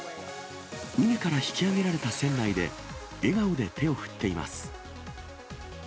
海から引き上げられた船内で、笑顔で手を振っています。